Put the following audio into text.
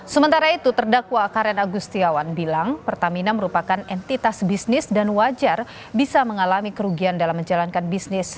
sementara itu terdakwa karen agustiawan bilang pertamina merupakan entitas bisnis dan wajar bisa mengalami kerugian dalam menjalankan bisnis